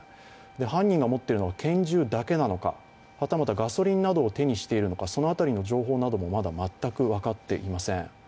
犯人が持っているのは拳銃だけなのかはたまたガソリンなどを手にしているのか、その辺りの情報なども、まだ全く分かっていません。